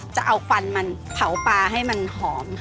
จะเอาควันมันเผาปลาให้มันหอมค่ะ